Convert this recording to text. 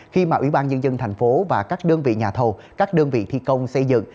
khi mà ủy ban nhân dân thành phố và các đơn vị nhà thầu các đơn vị thi công xây dựng